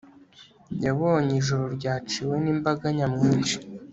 yabonye ijoro ryaciwe nimbaga nyamwinshi